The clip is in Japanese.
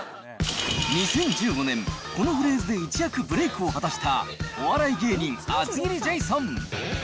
２０１５年、このフレーズで一躍ブレイクを果たした、お笑い芸人、厚切りジェイソン。